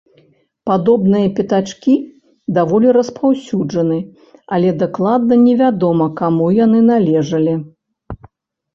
Падобныя пячаткі даволі распаўсюджаны, але дакладна не вядома каму яны належалі.